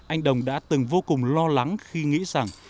anh đồng đã từng vô cùng lo lắng khi nghĩ rằng